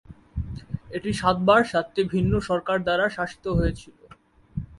এটি সাতবার সাতটি ভিন্ন সরকার দ্বারা শাসিত হয়েছিল।